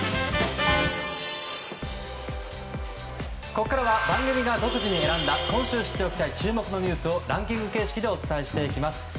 ここからは番組が独自に選んだ今週知っておきたい注目のニュースをランキング形式でお伝えしていきます。